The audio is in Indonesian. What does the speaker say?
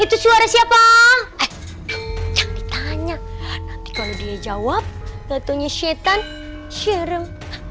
ih kok suara berisik berisik sih itu suara siapa eh ditanya kalau dia jawab gatunya syetan serem